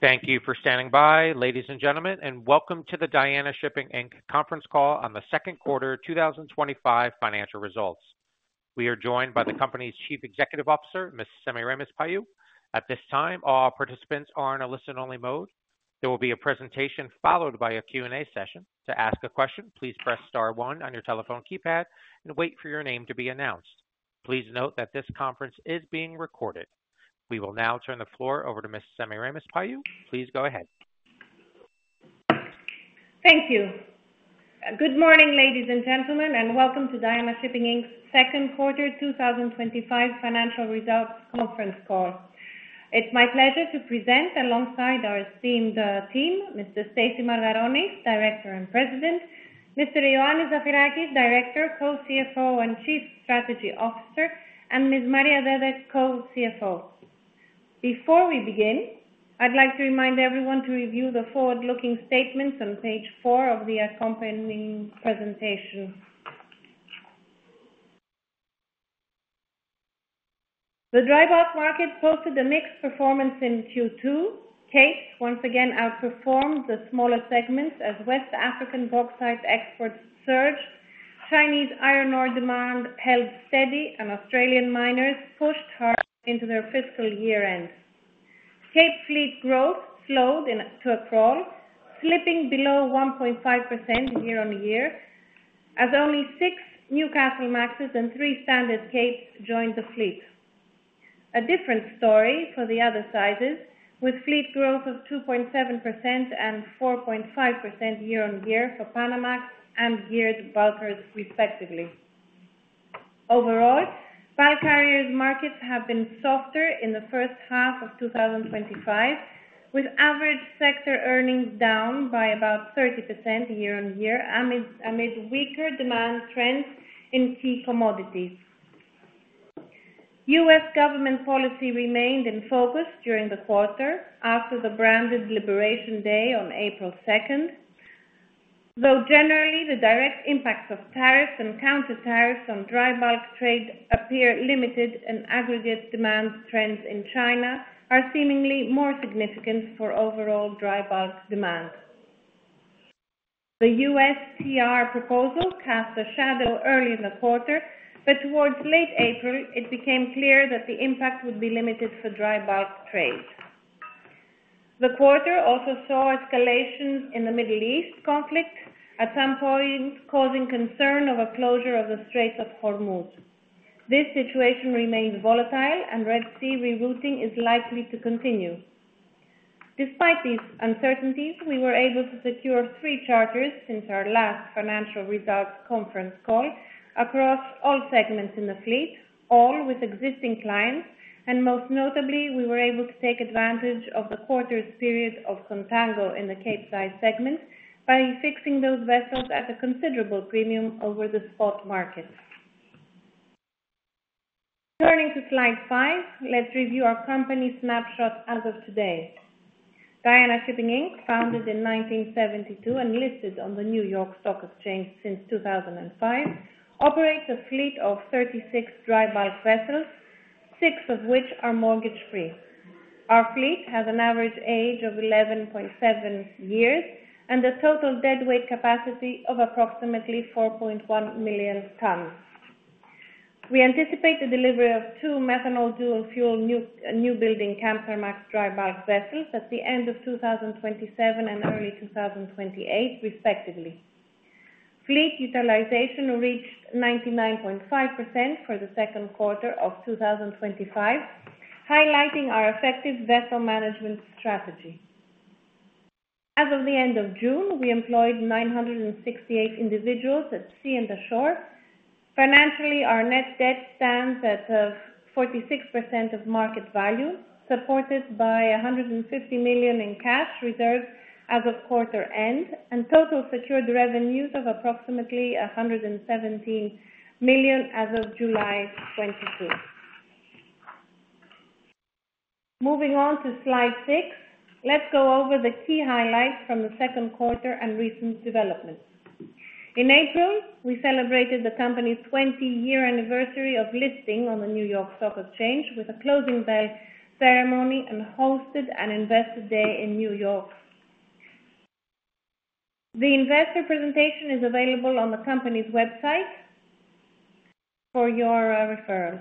Thank you for standing by, ladies and gentlemen, and welcome to the Diana Shipping Inc conference call on the second quarter 2025 financial results. We are joined by the company's Chief Executive Officer, Ms. Semiramis Paliou. At this time, all participants are in a listen-only mode. There will be a presentation followed by a Q&A session. To ask a question, please press star one on your telephone keypad and wait for your name to be announced. Please note that this conference is being recorded. We will now turn the floor over to Ms. Semiramis Paliou. Please go ahead. Thank you. Good morning, ladies and gentlemen, and welcome to Diana Shipping Inc's second quarter 2025 financial results conference call. It's my pleasure to present alongside our esteemed team, Mr. Stace Margaronis, Director and President, Mr. Ioannis Zafirakis, Director, Co-CFO and Chief Strategy Officer, and Ms. Maria Dede, Co-CFO. Before we begin, I'd like to remind everyone to review the forward-looking statements on page four of the accompanying presentation. The dry bulk market posted a mixed performance in Q2. Cape once again outperformed the smaller segments as West African bauxite exports surged, Chinese iron ore demand held steady, and Australian miners pushed hard into their fiscal year ends. Cape fleet growth slowed in April, slipping below 1.5% year on year, as only six Newcastlemaxes and three standard Capes joined the fleet. A different story for the other sizes, with fleet growth of 2.7% and 4.5% year on year for Panamax and geared bulkers respectively. Overall, bulk carriers' markets have been softer in the first half of 2025, with average sector earnings down by about 30% year on year amid weaker demand trends in key commodities. U.S. government policy remained in focus during the quarter after the branded Liberation Day on April 2nd. Though generally, the direct impacts of tariffs and counter tariffs on dry bulk trade appear limited, and aggregate demand trends in China are seemingly more significant for overall dry bulk demand. The U.S. TR proposal cast a shadow early in the quarter, but towards late April, it became clear that the impact would be limited for dry bulk trade. The quarter also saw escalations in the Middle East conflict, at some point causing concern over closure of the Strait of Hormuz. This situation remained volatile, and Red Sea rerouting is likely to continue. Despite these uncertainties, we were able to secure three charters since our last financial results conference call across all segments in the fleet, all with existing clients, and most notably, we were able to take advantage of the quarter's period of contango in the Cape size segment by fixing those vessels at a considerable premium over the spot markets. Turning to slide five, let's review our company snapshot as of today. Diana Shipping Inc, founded in 1972 and listed on the New York Stock Exchange since 2005, operates a fleet of 36 dry bulk vessels, six of which are mortgage-free. Our fleet has an average age of 11.7 years and a total deadweight capacity of approximately 4.1 million tons. We anticipate the delivery of two methanol dual-fuel newbuildings Kamsarmax dry bulk vessels at the end of 2027 and early 2028, respectively. Fleet utilization reached 99.5% for the second quarter of 2025, highlighting our effective vessel management strategy. As of the end of June, we employed 968 individuals at sea and ashore. Financially, our net debt stands at 46% of market value, supported by $150 million in cash reserves as of quarter end, and total secured revenues of approximately $117 million as of July 22. Moving on to slide six, let's go over the key highlights from the second quarter and recent developments. In April, we celebrated the company's 20-year anniversary of listing on the New York Stock Exchange with a closing bell ceremony and hosted an Investor Day in New York. The investor presentation is available on the company's website for your referral.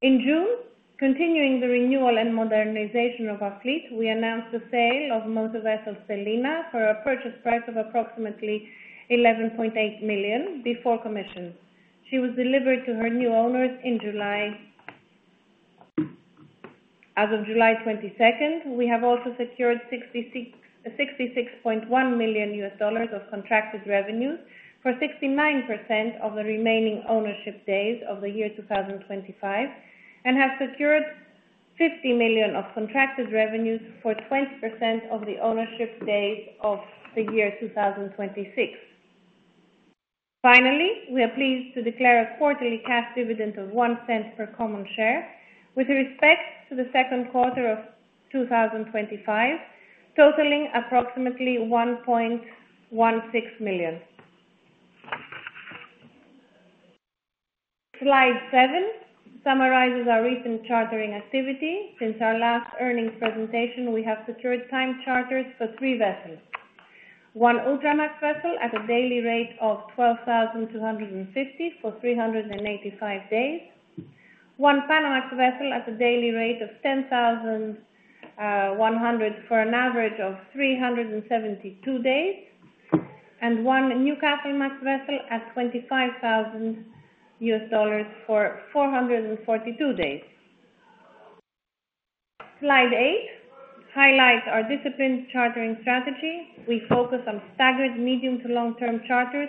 In June, continuing the renewal and modernization of our fleet, we announced the sale of motor vessel Selina for a purchase price of approximately $11.8 million before commissions. She was delivered to her new owners in July. As of July 22, we have also secured $66.1 million of contracted revenues for 69% of the remaining ownership days of the year 2025 and have secured $50 million of contracted revenues for 20% of the ownership days of the year 2026. Finally, we are pleased to declare a quarterly cash dividend of $0.01 per common share with respect to the second quarter of 2025, totaling approximately $1.16 million. Slide seven summarizes our recent chartering activity. Since our last earnings presentation, we have secured time charters for three vessels: one Ultramax vessel at a daily rate of $12,250 for 385 days, one Panamax vessel at a daily rate of $10,100 for an average of 372 days, and one Newcastlemax vessel at $25,000 for 442 days. Slide eight highlights our disciplined chartering strategy. We focus on staggered medium to long-term charters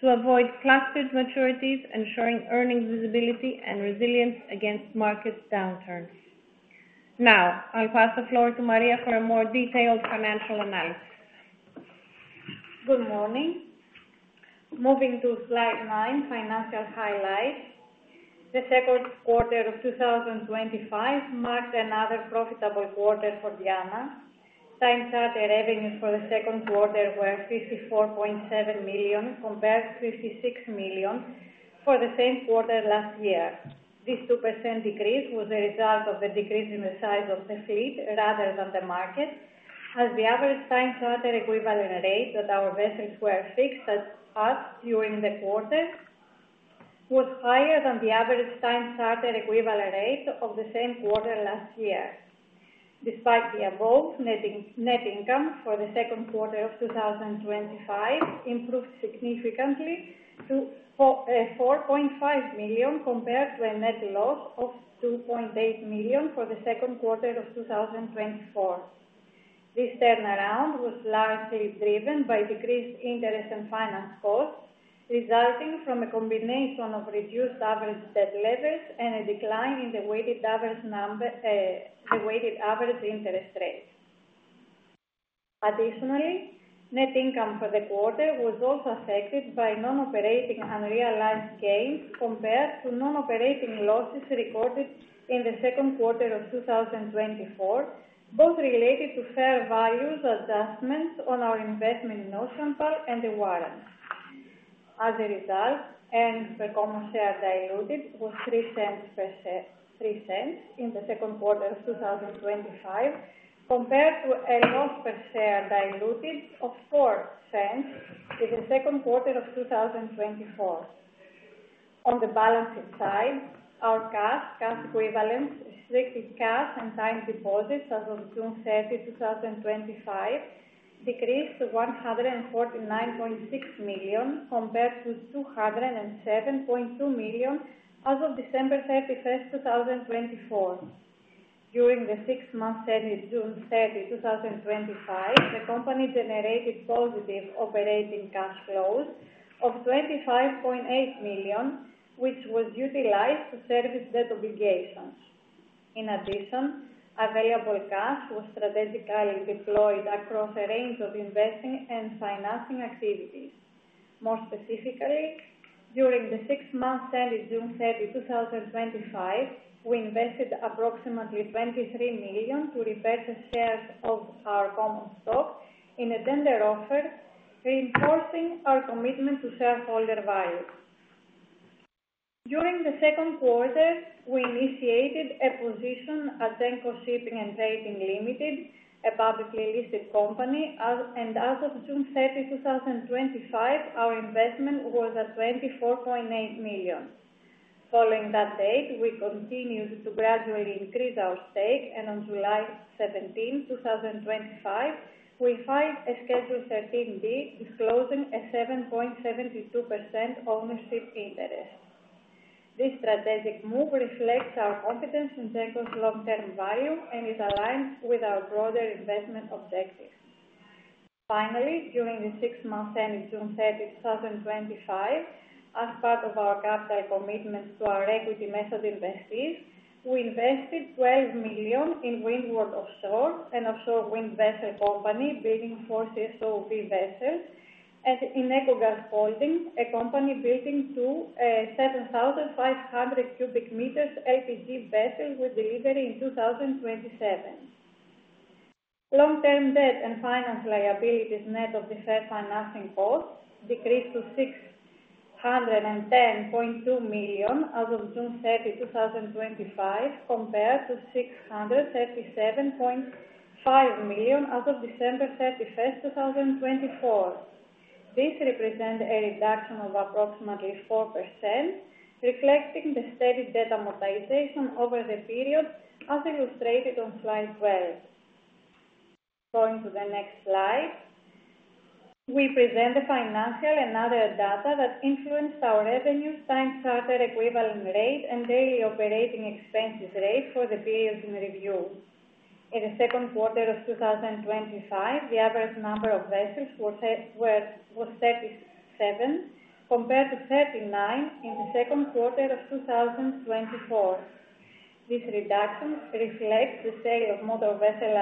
to avoid clustered maturities, ensuring earnings visibility and resilience against market downturns. Now, I'll pass the floor to Maria for a more detailed financial analysis. Good morning. Moving to slide nine, financial highlights. The second quarter of 2025 marked another profitable quarter for Diana. Time charter revenues for the second quarter were $54.7 million compared to $56 million for the same quarter last year. This 2% decrease was the result of the decrease in the size of the fleet rather than the market, as the average time charter equivalent rate that our vessels were fixed at during the quarter was higher than the average time charter equivalent rate of the same quarter last year. Despite the above, net income for the second quarter of 2025 improved significantly to $4.5 million compared to a net loss of $2.8 million for the second quarter of 2024. This turnaround was largely driven by decreased interest and finance costs, resulting from a combination of reduced average debt levels and a decline in the weighted average interest rate. Additionally, net income for the quarter was also affected by non-operating unrealized gains compared to non-operating losses recorded in the second quarter of 2024, both related to fair value adjustments on our investment in [unrealized gains] and the warrant. As a result, the common share diluted was $0.03 in the second quarter of 2025 compared to a loss per share diluted of $0.04 in the second quarter of 2024. On the balance sheet side, our cash, cash equivalents, restricted cash, and time deposits as of June 30, 2025, decreased to $149.6 million compared to $207.2 million as of December 31st, 2024. During the six months ending June 30, 2025, the company generated positive operating cash flows of $25.8 million, which was utilized to service debt obligations. In addition, available cash was strategically deployed across a range of investing and financing activities. More specifically, during the six months ending June 30, 2025, we invested approximately $23 million to repurchase shares of our common stock in a tender offer, reinforcing our commitment to shareholder value. During the second quarter, we initiated a position at Genco Shipping & Trading Limited, a publicly listed company, and as of June 30, 2025, our investment was at $24.8 million. Following that date, we continued to gradually increase our stake, and on July 17, 2025, we filed a Schedule 13D disclosing a 7.72% ownership interest. This strategic move reflects our confidence in Genco's long-term value and is aligned with our broader investment objectives. Finally, during the six months ending June 30, 2025, as part of our capital commitments to our equity method investees, we invested $12 million in Windward Offshore, an offshore wind vessel company building four CSOV vessels, and in EcoGas Holdings, a company building two 7,500 cubic meters LPG vessels with delivery in 2027. Long-term debt and finance liabilities net of the share financing cost decreased to $610.2 million as of June 30, 2025, compared to $637.5 million as of December 31, 2024. This represents a reduction of approximately 4%, reflecting the steady debt amortization over the period, as illustrated on slide 12. Going to the next slide, we present the financial and other data that influenced our revenues, time charter equivalent rate, and daily operating expenses rate for the periods in review. In the second quarter of 2025, the average number of vessels was 37 compared to 39 in the second quarter of 2024. This reduction reflects the sale of motor vessel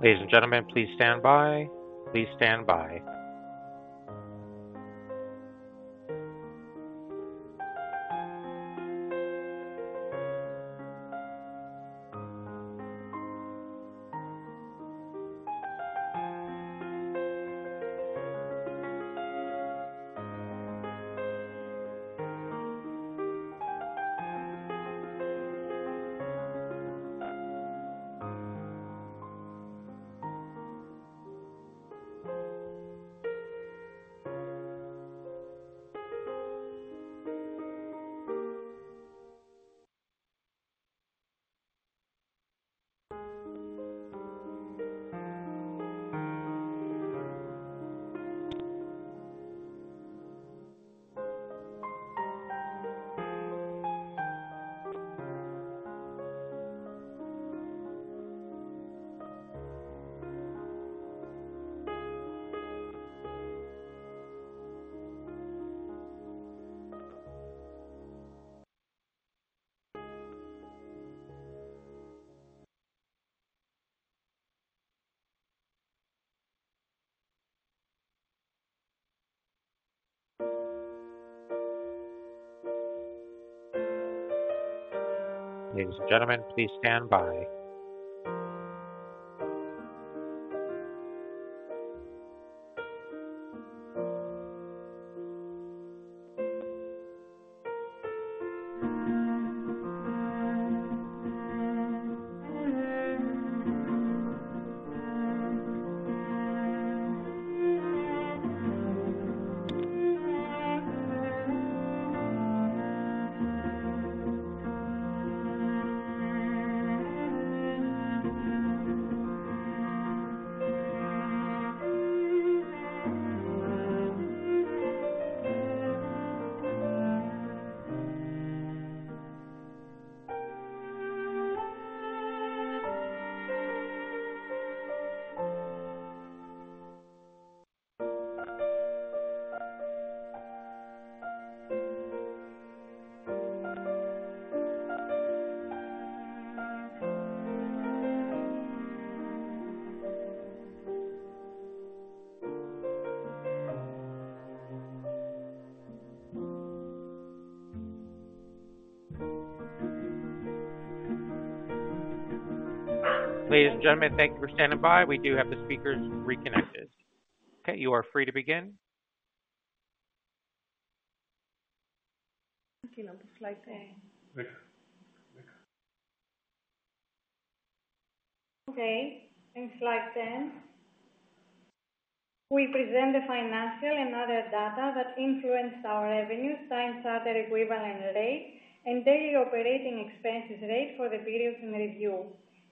Selina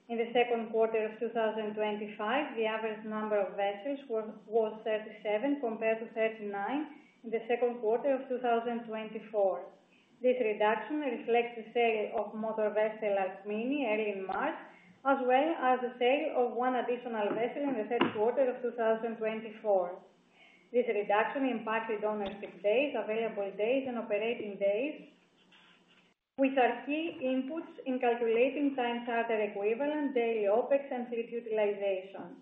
early in March, as well as the sale of one additional vessel in the third quarter of 2024. This reduction impacted ownership days, available days, and operating days, which are key inputs in calculating time charter equivalent, daily OpEx, and fleet utilization.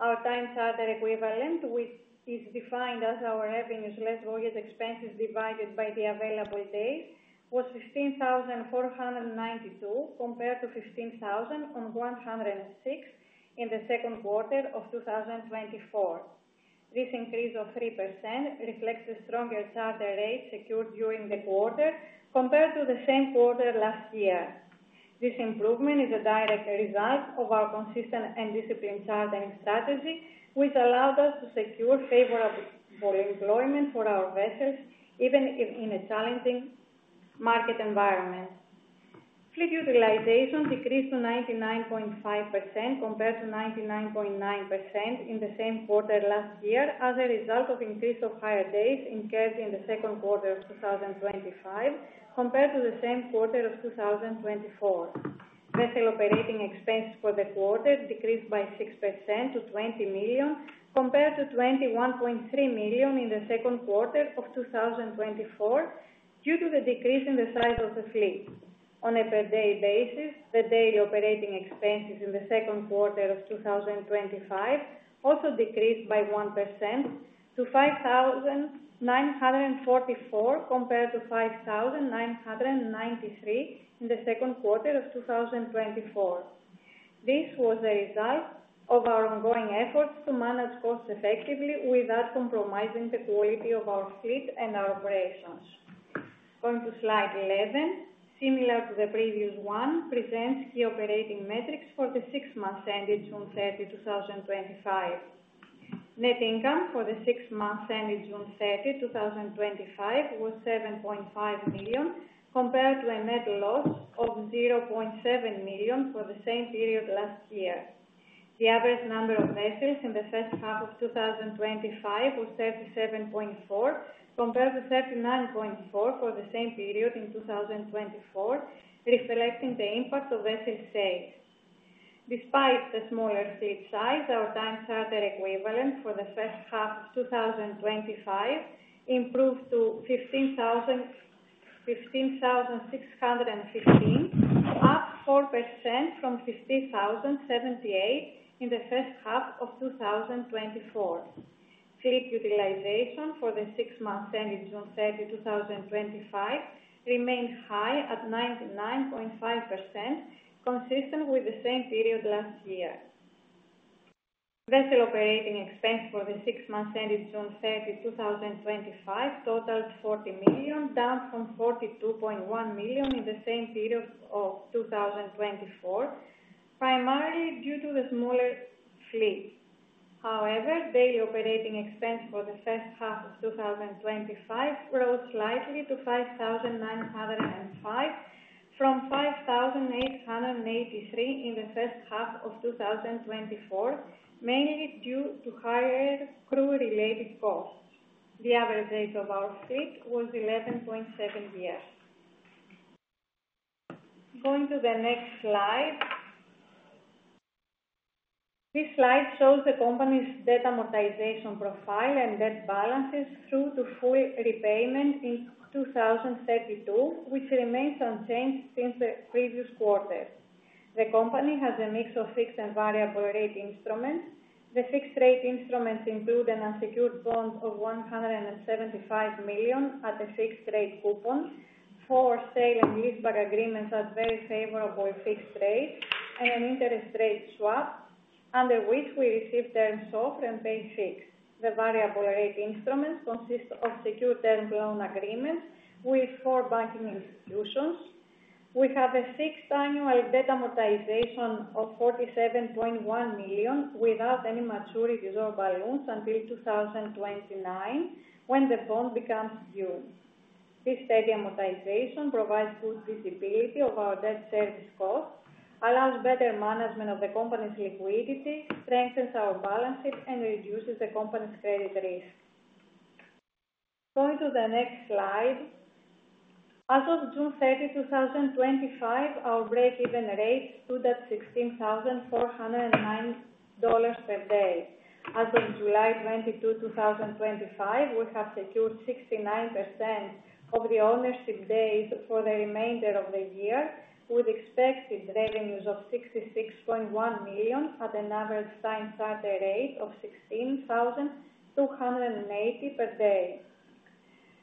Our time charter equivalent, which is defined as our revenues less voyage expenses divided by the available days, was $15,492 compared to $15,106 in the second quarter of 2024. This increase of 3% reflects the stronger charter rates secured during the quarter compared to the same quarter last year. This improvement is a direct result of our consistent and disciplined chartering strategy, which allowed us to secure favorable employment for our vessels, even in a challenging market environment. Fleet utilization decreased to 99.5% compared to 99.9% in the same quarter last year. As a result of the increase of higher days, increasing the second quarter of 2025 compared to the same quarter of 2024. Vessel operating expenses for the quarter decreased by 6% to $20 million compared to $21.3 million in the second quarter of 2024 due to the decrease in the size of the fleet. On a per day basis, the daily operating expenses in the second quarter of 2025 also decreased by 1% to Net income for the six months ending June 30, 2025 was $7.5 million compared to a net loss of $0.7 million for the same period last year. The average number of vessels in the first half of 2025 was 37.4 compared to 39.4 for the same period in 2024, reflecting the impact of vessel sales. Despite the smaller fleet size, our time charter equivalent for the first half of 2025 improved to $15,615, up 4% from $15,078 in the first half of 2024. Fleet utilization for the six months ending June 30, 2025 remained high at 99.5%, consistent with the same period last year. Vessel operating expense for the six months ending June 30, 2025 totaled $40 million, down from $42.1 million in the same period of 2024, primarily due to the smaller fleet. However, daily operating expense for the first half of 2025 rose slightly to $5,905 from $5,883 in the first half of 2024, mainly due to higher crew-related costs. The average age of our fleet was 11.7 years. Going to the next slide. This slide shows the company's debt amortization profile and debt balances through to full repayment in 2032, which remains unchanged since the previous quarter. The company has a mix of fixed and variable rate instruments. The fixed rate instruments include an unsecured bond of $175 million at a fixed rate coupon, four sale and leaseback agreements at very favorable fixed rates, and an interest rate swap, under which we receive term SOFR and pay fixed. The variable rate instruments consist of secured term loan agreements with four banking institutions. We have a fixed annual debt amortization of $47.1 million without any maturity resolvable loans until 2029, when the bond becomes due. This steady amortization provides full visibility of our debt service costs, allows better management of the company's liquidity, strengthens our balances, and reduces the company's credit risk. Going to the next slide. As of June 30, 2025, our break-even rates stood at $16,409 per day. As of July 22, 2025, we have secured 69% of the ownership days for the remainder of the year, with expected revenues of $66.1 million at an average time charter rate of $16,280 per day.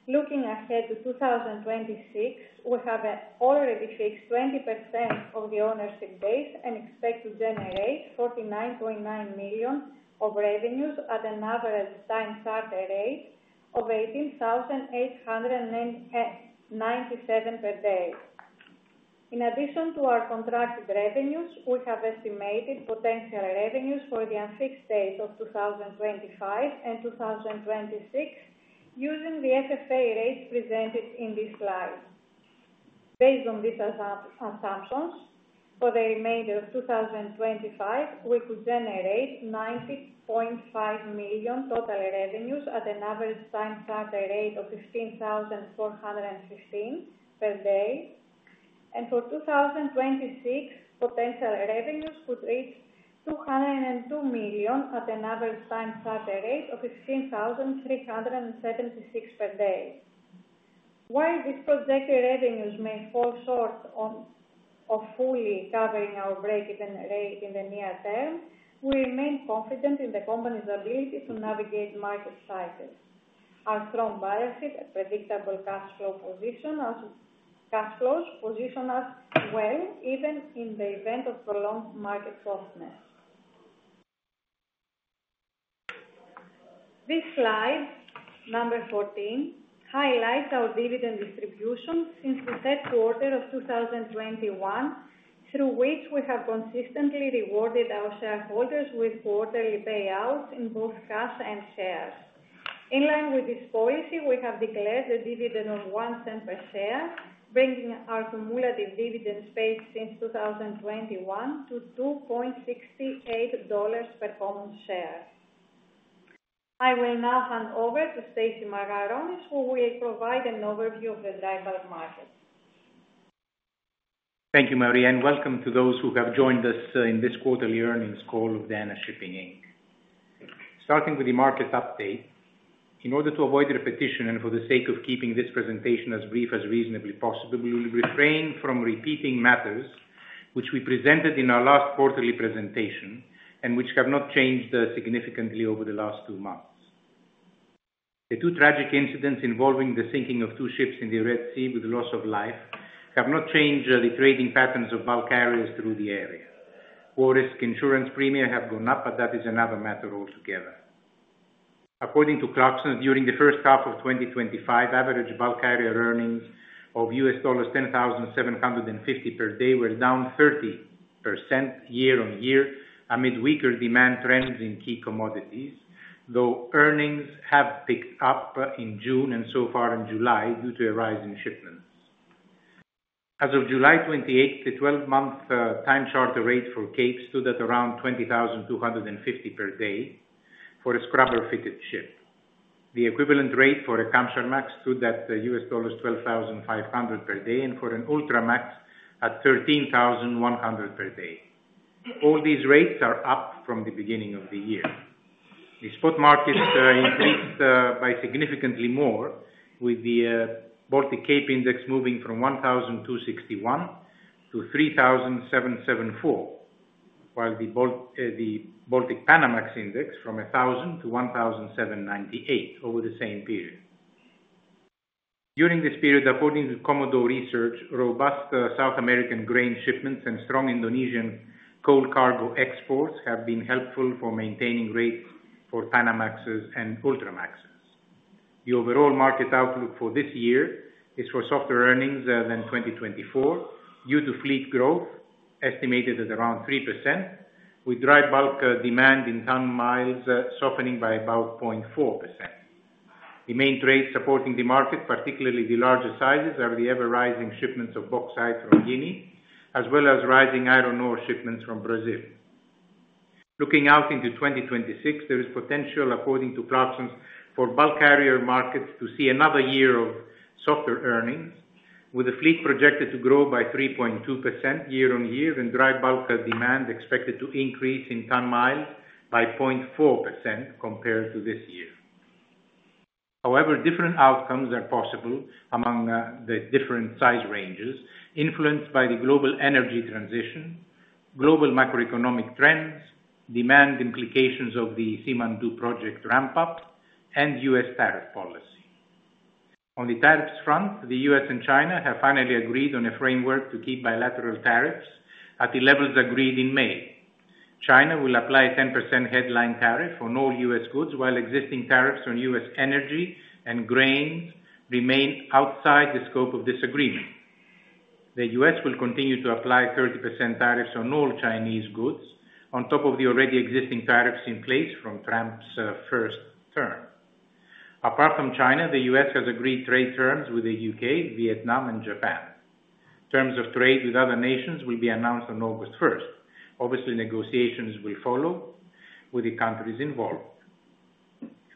Looking ahead to 2026, we have already fixed 20% of the ownership days and expect to generate $49.9 million of revenues at an average time charter rate of $18,897 per day. In addition to our contracted revenues, we have estimated potential revenues for the unfixed days of 2025 and 2026 using the FFA rates presented in this slide. Based on these assumptions, for the remainder of 2025, we could generate $90.5 million total revenues at an average time charter rate of $15,415 per day. For 2026, potential revenues could reach $202 million at an average time charter rate of $15,376 per day. While these projected revenues may fall short of fully covering our break-even rate in the near term, we remain confident in the company's ability to navigate market cycles. Our strong buyership and predictable cash flow positions us well, even in the event of prolonged market softness. This slide, number 14, highlights our dividend distribution since the third quarter of 2021, through which we have consistently rewarded our shareholders with quarterly payouts in both cash and shares. In line with this policy, we have declared a dividend of $0.01 per share, bringing our cumulative dividend paid since 2021 to $2.68 per common share. I will now hand over to Stace Margaronis, who will provide an overview of the dry bulk market. Thank you, Maria, and welcome to those who have joined us in this quarterly earnings call of Diana Shipping Inc. Starting with the market update, in order to avoid repetition and for the sake of keeping this presentation as brief as reasonably possible, we'll refrain from repeating matters which we presented in our last quarterly presentation and which have not changed significantly over the last two months. The two tragic incidents involving the sinking of two ships in the Red Sea with the loss of life have not changed the trading patterns of bulk carriers through the area. War risk insurance premiums have gone up, but that is another matter altogether. According to Clarkson, during the first half of 2025, average bulk carrier earnings of $10,750 per day were down 30% year on year amid weaker demand trends in key commodities, though earnings have picked up in June and so far in July due to a rise in shipments. As of July 28, the 12-month time charter rate for Cape stood at around $20,250 per day for a scrubber-fitted ship. The equivalent rate for a Kamsarmax stood at $12,500 per day and for an Ultramax at $13,100 per day. All these rates are up from the beginning of the year. The spot markets increased by significantly more, with the Baltic CAPE Index moving from 1,261 to 3,774, while the Baltic Panamax Index from 1,000 to 1,798 over the same period. During this period, according to Commodore Research, robust South American grain shipments and strong Indonesian coal cargo exports have been helpful for maintaining rates for Panamaxes and Ultramaxes. The overall market outlook for this year is for softer earnings than 2024 due to fleet growth estimated at around 3%, with dry bulk demand in ton miles softening by about 0.4%. The main trade supporting the market, particularly the larger sizes, are the ever-rising shipments of bauxite from Guinea, as well as rising iron ore shipments from Brazil. Looking out into 2026, there is potential, according to Clarkson, for bulk carrier markets to see another year of softer earnings, with the fleet projected to grow by 3.2% year on year and dry bulk demand expected to increase in ton mile by 0.4% compared to this year. However, different outcomes are possible among the different size ranges, influenced by the global energy transition, global macroeconomic trends, demand implications of the Simandou project ramp-up, and U.S. tariff policy. On the tariffs front, the U.S. and China have finally agreed on a framework to keep bilateral tariffs at the levels agreed in May. China will apply a 10% headline tariff on all U.S. goods, while existing tariffs on U.S. energy and grains remain outside the scope of this agreement. The U.S. will continue to apply 30% tariffs on all Chinese goods on top of the already existing tariffs in place from Trump's first term. Apart from China, the U.S. has agreed trade terms with the U.K., Vietnam, and Japan. Terms of trade with other nations will be announced on August 1st. Obviously, negotiations will follow with the countries involved.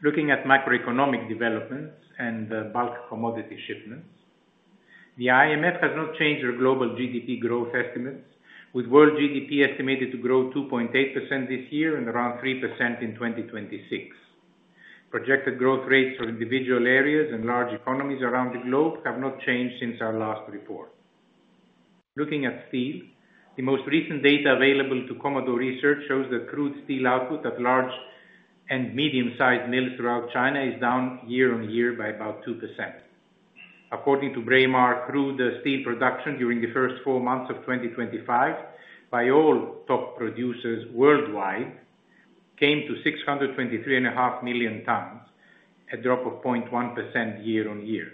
Looking at macroeconomic developments and bulk commodity shipments, the IMF has not changed their global GDP growth estimates, with world GDP estimated to grow 2.8% this year and around 3% in 2026. Projected growth rates for individual areas and large economies around the globe have not changed since our last report. Looking at steel, the most recent data available to Commodore Research shows that crude steel output at large and medium-sized mills throughout China is down year on year by about 2%. According to Braemar, crude steel production during the first four months of 2025 by all top producers worldwide came to 623.5 million tons, a drop of 0.1% year on year.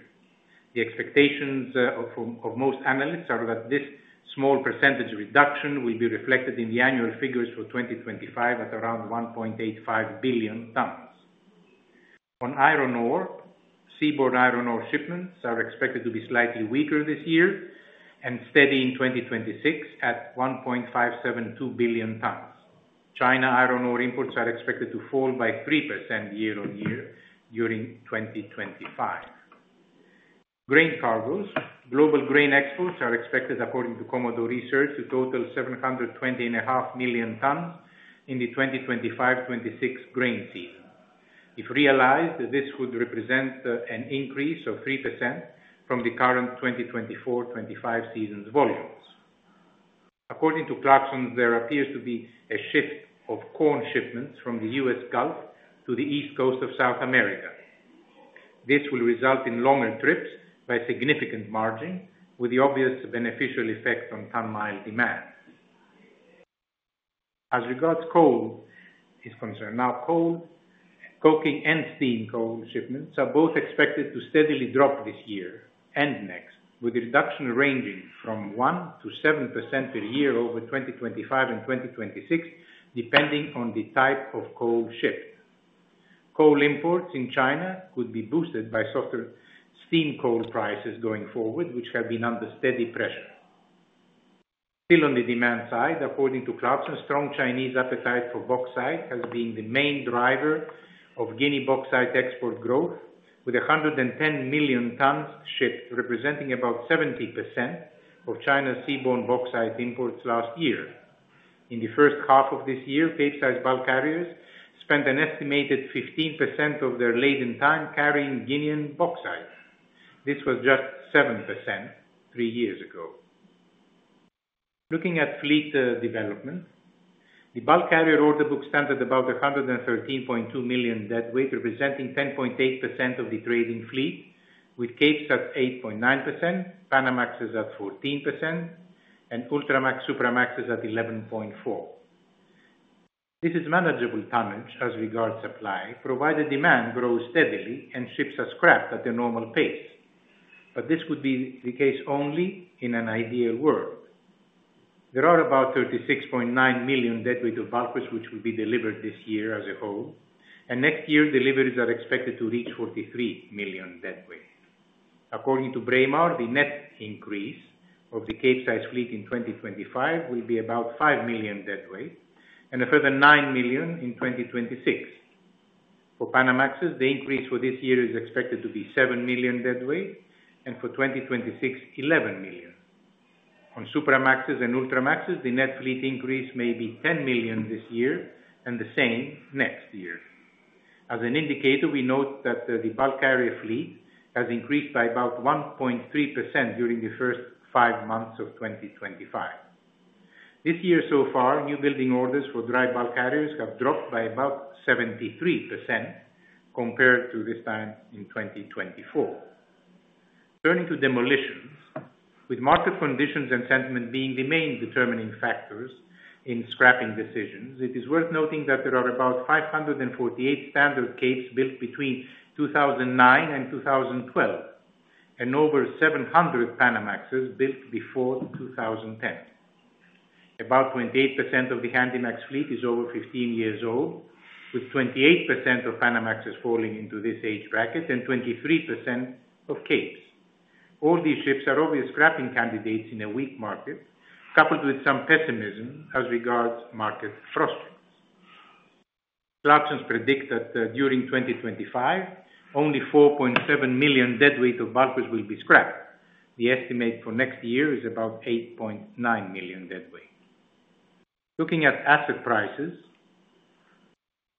The expectations of most analysts are that this small percentage reduction will be reflected in the annual figures for 2025 at around 1.85 billion tons. On iron ore, seaborne iron ore shipments are expected to be slightly weaker this year and steady in 2026 at 1.572 billion tons. China iron ore imports are expected to fall by 3% year on year during 2025. Grain cargoes, global grain exports are expected, according to Commodore Research, to total 720.5 million tons in the 2025-2026 grain season. If realized, this would represent an increase of 3% from the current 2024-2025 season's volumes. According to Clarkson, there appears to be a shift of corn shipments from the U.S. Gulf to the East Coast of South America. This will result in longer trips by significant margin, with the obvious beneficial effect on ton mile demand. As regards coal is concerned, now coal, coking, and steam coal shipments are both expected to steadily drop this year and next, with the reduction ranging from 1% to 7% per year over 2025 and 2026, depending on the type of coal shipped. Coal imports in China could be boosted by softer steam coal prices going forward, which have been under steady pressure. Still on the demand side, according to Clarkson, a strong Chinese appetite for bauxite has been the main driver of Guinea bauxite export growth, with 110 million tons shipped, representing about 70% of China's seaboard bauxite imports last year. In the first half of this year, Capesize bulk carriers spent an estimated 15% of their laden time carrying Guinean bauxite. This was just 7% three years ago. Looking at fleet development, the bulk carrier order book stood at about 113.2 million deadweight, representing 10.8% of the trading fleet, with Capesize at 8.9%, Panamaxes at 14%, and Ultramax Supramaxes at 11.4%. This is manageable tonnage as regards supply, provided demand grows steadily and ships are scrapped at a normal pace. This could be the case only in an ideal world. There are about 36.9 million deadweight of bulkers which will be delivered this year as a whole, and next year deliveries are expected to reach 43 million deadweight. According to Braemar, the net increase of the Capesize fleet in 2025 will be about 5 million deadweight and a further 9 million in 2026. For Panamaxes, the increase for this year is expected to be 7 million deadweight and for 2026, 11 million. On Supramaxes and Ultramaxes, the net fleet increase may be 10 million this year and the same next year. As an indicator, we note that the bulk carrier fleet has increased by about 1.3% during the first five months of 2025. This year so far, newbuilding orders for dry bulk carriers have dropped by about 73% compared to this time in 2024. Turning to demolitions, with market conditions and sentiment being the main determining factors in scrapping decisions, it is worth noting that there are about 548 standard Capes built between 2009 and 2012 and over 700 Panamaxes built before 2010. About 28% of the Handymax fleet is over 15 years old, with 28% of Panamaxes falling into this age bracket and 23% of Capes. All these ships are obvious scrapping candidates in a weak market, coupled with some pessimism as regards market frosts. Clarkson predicts that during 2025, only 4.7 million deadweight of bulkers will be scrapped. The estimate for next year is about 8.9 million deadweight. Looking at asset prices,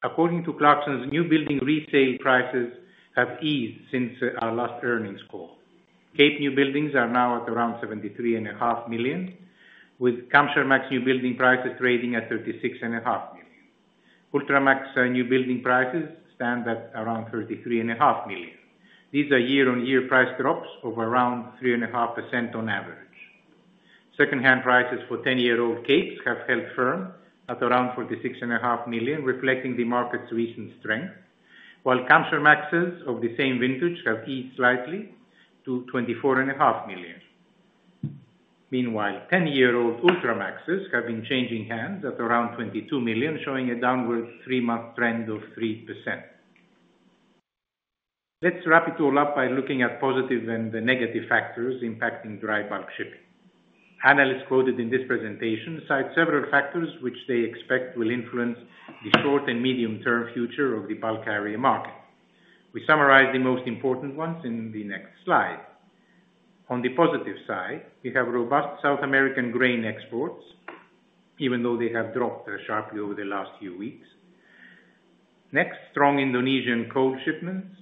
according to Clarkson, newbuilding resale prices have eased since our last earnings call. Cape newbuildings are now at around $73.5 million, with Kamsarmax newbuilding prices trading at $36.5 million. Ultramax newbuilding prices stand at around $33.5 million. These are year-on-year price drops of around 3.5% on average. Second-hand prices for 10-year-old Capes have held firm at around $46.5 million, reflecting the market's recent strength, while Kamsarmax of the same vintage have eased slightly to $24.5 million. Meanwhile, 10-year-old Ultramaxes have been changing hands at around $22 million, showing a downward three-month trend of 3%. Let's wrap it all up by looking at positive and negative factors impacting dry bulk shipping. Analysts quoted in this presentation cite several factors which they expect will influence the short and medium-term future of the bulk carrier market. We summarize the most important ones in the next slide. On the positive side, we have robust South American grain exports, even though they have dropped sharply over the last few weeks. Next, strong Indonesian coal shipments,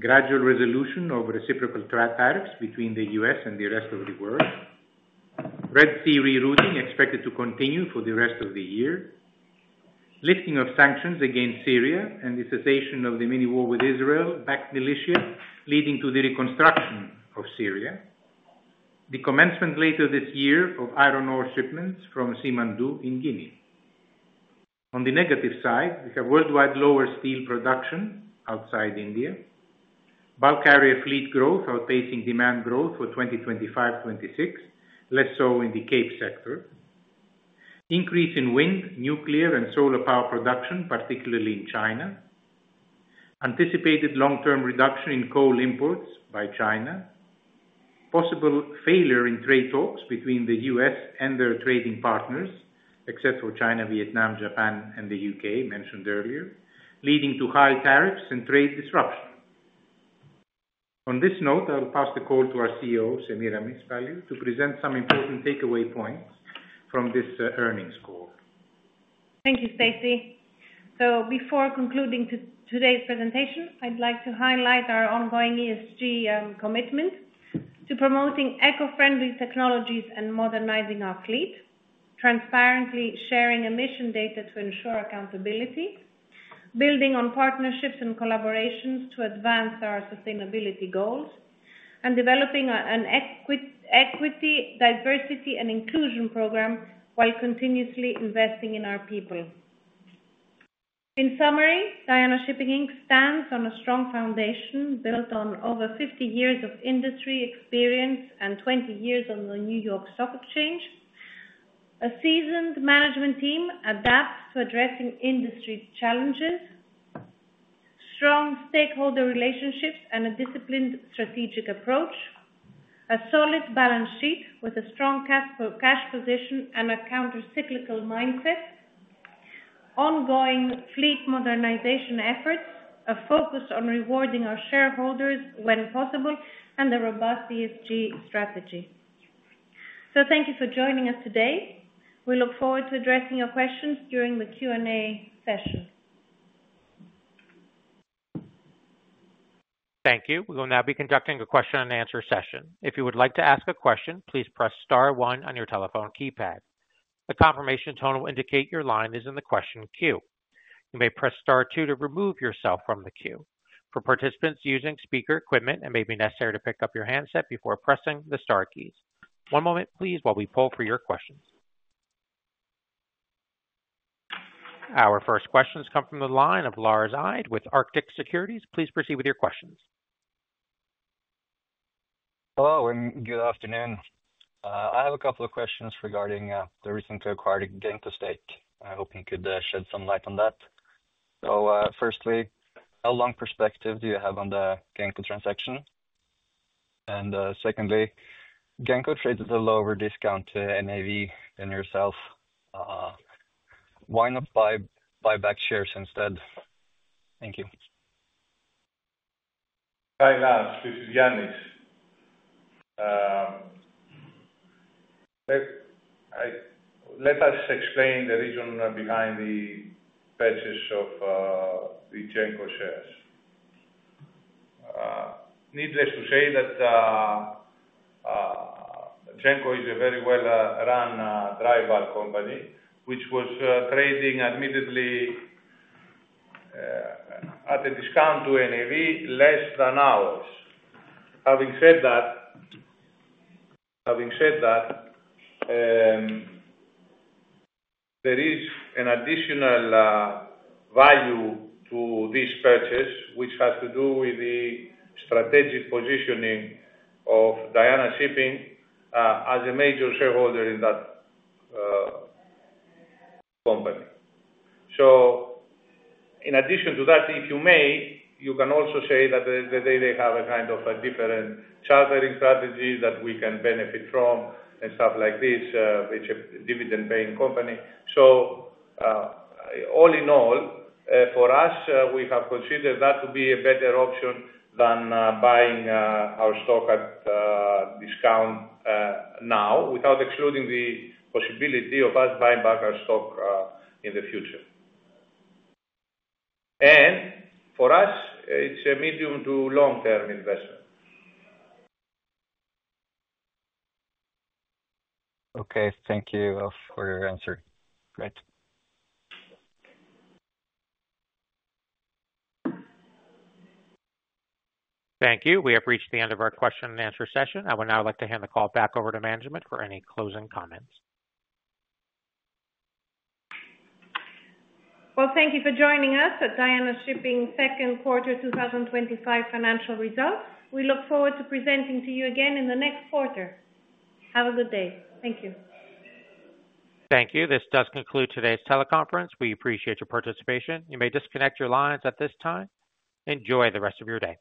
gradual resolution of reciprocal tariffs between the U.S. and the rest of the world, Red Sea rerouting expected to continue for the rest of the year, lifting of sanctions against Syria, and the cessation of the mini-war with Israel-backed militias leading to the reconstruction of Syria, the commencement later this year of iron ore shipments from Simandou in Guinea. On the negative side, we have worldwide lower steel production outside India, bulk carrier fleet growth outpacing demand growth for 2025-2026, less so in the Cape sector, increase in wind, nuclear, and solar power production, particularly in China, anticipated long-term reduction in coal imports by China, possible failure in trade talks between the U.S. and their trading partners, except for China, Vietnam, Japan, and the U.K. mentioned earlier, leading to high tariffs and trade disruption. On this note, I'll pass the call to our CEO, Semiramis Paliou, to present some important takeaway points from this earnings call. Thank you, Stace. Before concluding today's presentation, I'd like to highlight our ongoing ESG commitment to promoting eco-friendly technologies and modernizing our fleet, transparently sharing emission data to ensure accountability, building on partnerships and collaborations to advance our sustainability goals, and developing an equity, diversity, and inclusion program while continuously investing in our people. In summary, Diana Shipping Inc stands on a strong foundation built on over 50 years of industry experience and 20 years on the New York Stock Exchange. A seasoned management team adapts to addressing industry challenges, strong stakeholder relationships, and a disciplined strategic approach, a solid balance sheet with a strong cash position and a countercyclical mindset, ongoing fleet modernization efforts, a focus on rewarding our shareholders when possible, and a robust ESG strategy. Thank you for joining us today. We look forward to addressing your questions during the Q&A session. Thank you. We will now be conducting a question and answer session. If you would like to ask a question, please press star one on your telephone keypad. A confirmation tone will indicate your line is in the question queue. You may press star two to remove yourself from the queue. For participants using speaker equipment, it may be necessary to pick up your handset before pressing the star keys. One moment, please, while we pull for your questions. Our first questions come from the line of Lars Eide with Arctic Securities. Please proceed with your questions. Hello, and good afternoon. I have a couple of questions regarding the recent acquired Genco stake. I hope you could shed some light on that. Firstly, how long perspective do you have on the Genco transaction? Genco trades at a lower discount to NAV than yourself. Why not buy back shares instead? Thank you. Hi Lars, this is Ioannis. Let us explain the reason behind the purchase of the Genco shares. Needless to say that Genco is a very well-run dry bulk company, which was trading admittedly at a discount to NAV less than ours. Having said that, there is an additional value to this purchase, which has to do with the strategic positioning of Diana Shipping as a major shareholder in that company. In addition to that, if you may, you can also say that they have a kind of a different chartering strategy that we can benefit from and stuff like this, which is a dividend-paying company. All in all, for us, we have considered that to be a better option than buying our stock at a discount now, without excluding the possibility of us buying back our stock in the future. For us, it's a medium to long-term investment. Okay, thank you for your answer. Great. Thank you. We have reached the end of our question and answer session. I would now like to hand the call back over to management for any closing comments. Thank you for joining us at Diana Shipping's second quarter 2025 financial result. We look forward to presenting to you again in the next quarter. Have a good day. Thank you. Thank you. This does conclude today's teleconference. We appreciate your participation. You may disconnect your lines at this time. Enjoy the rest of your day.